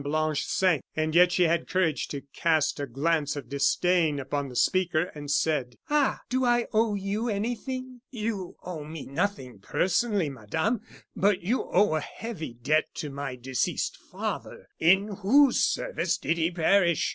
Blanche sank, and yet she had courage to cast a glance of disdain upon the speaker, and said: "Ah! do I owe you anything?" "You owe me nothing personally, Madame; but you owe a heavy debt to my deceased father. In whose service did he perish?